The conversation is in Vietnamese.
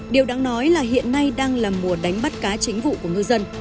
điều đáng nói là hiện nay đang là mùa đánh bắt cá chính vụ của ngư dân